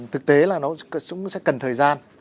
thực tế là nó cũng sẽ cần thời gian